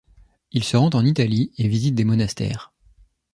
Il se rend en Italie et visite des monastères.